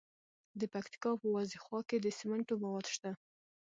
د پکتیکا په وازیخوا کې د سمنټو مواد شته.